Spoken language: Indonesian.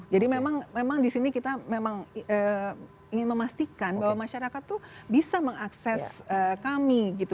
jadi memang di sini kita memang ingin memastikan bahwa masyarakat itu bisa mengakses kami gitu